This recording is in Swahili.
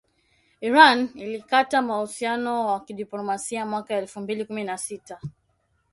Iran ilikata uhusiano wa kidiplomasia mwaka elfu mbili kumi na sita